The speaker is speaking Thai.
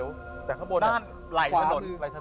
คุณถามว่าสังธารแต่ละวัดที่อยู่ในความเจริญแล้วเนี่ย